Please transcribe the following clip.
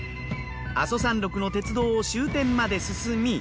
阿蘇山麓の鉄道を終点まで進み